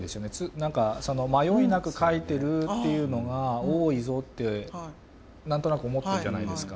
何かその迷いなく描いてるっていうのが多いぞって何となく思ってるじゃないですか。